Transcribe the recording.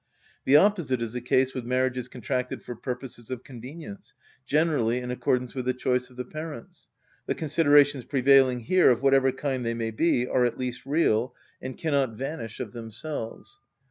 The opposite is the case with marriages contracted for purposes of convenience, generally in accordance with the choice of the parents. The considerations prevailing here, of whatever kind they may be, are at least real, and cannot vanish of themselves.